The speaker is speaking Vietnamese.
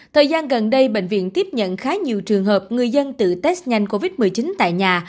thời gian gần đây bệnh viện tiếp nhận khá nhiều trường hợp người dân tự test nhanh covid một mươi chín tại nhà